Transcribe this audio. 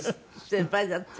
先輩だって。